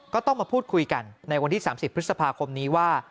ก็ต้องมาพูดคุยกันในวันที่๓๐พฤษภาคมนี้ว่า